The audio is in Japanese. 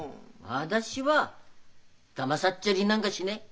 私はだまさっちゃりなんかしねえ。